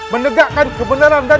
menegakkan kebenaran dan keadilan